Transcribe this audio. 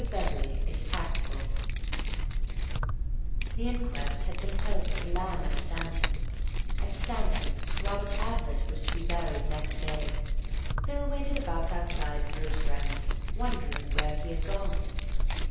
Beverley is Tactful The inquest had been held at the "Lamb" at Stanton; at Stanton Robert Ablett was to be buried next day. Bill waited about outside for his friend, wondering where he had gone.